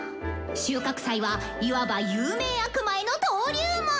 収穫祭はいわば有名悪魔への登竜門！